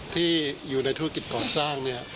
ที่อยู่ในธุรกิจก่อสร้างเนี่ย